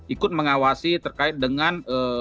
ikut mengawasi terkait dengan